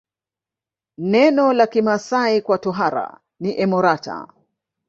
Neno la Kimasai kwa tohara ni emorata